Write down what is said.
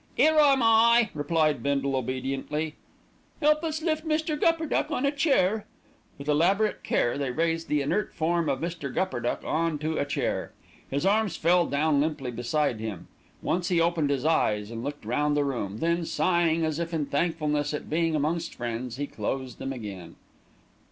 "'Ere am I," replied Bindle obediently. "Help us lift Mr. Gupperduck on a chair." With elaborate care they raised the inert form of Mr. Gupperduck on to a chair. His arms fell down limply beside him. Once he opened his eyes, and looked round the room, then, sighing as if in thankfulness at being amongst friends, he closed them again.